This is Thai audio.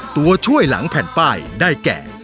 ตัวช่วยหลังแผ่นป้ายได้แก่